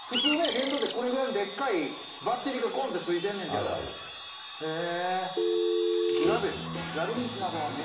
電動ってこれぐらいのでっかいバッテリ−がゴンってついてんねんけどへえ